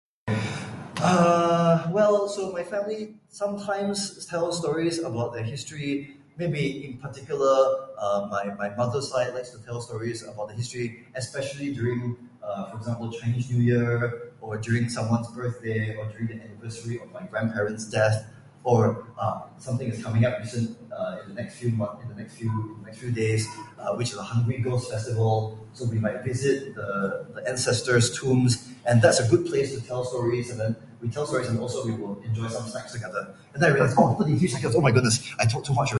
well, so my family sometimes tells stories about the history maybe in particular my my mother's side [unintelligible] likes to tell stories about the history, especially during for example Chinese New Year or during someone's birthday or during an anniversary of my grandparent's death or something is coming up in the next few months, in the next few in the next few days which is a [unintelligible] festival so we might visit the the ancestor's tombs and that's a good place to tell stories and then we tell stories and also we will enjoy some snacks together [unintelligible] oh my goodness I talk too much already